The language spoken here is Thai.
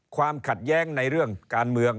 ความขัดแย้งในเรื่องการเมือง